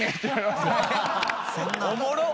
おもろっ。